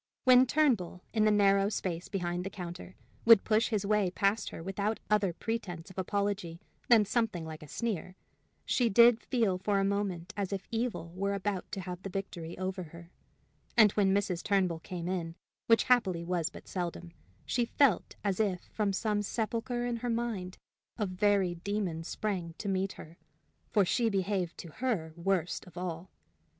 When Turnbull, in the narrow space behind the counter, would push his way past her without other pretense of apology than something like a sneer, she did feel for a moment as if evil were about to have the victory over her; and when Mrs. Turnbull came in, which happily was but seldom, she felt as if from some sepulchre in her mind a very demon sprang to meet her. For she behaved to her worst of all.